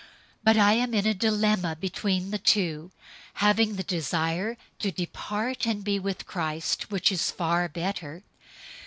001:023 But I am in a dilemma between the two, having the desire to depart and be with Christ, which is far better.